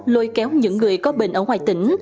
lôi kéo những người có bệnh ở ngoài tỉnh